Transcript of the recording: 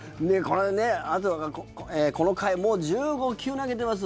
で、この回もう１５球投げてます